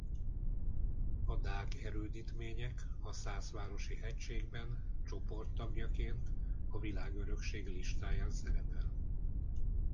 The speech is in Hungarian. A Dák erődítmények a Szászvárosi-hegységben csoport tagjaként a Világörökség listáján szerepel.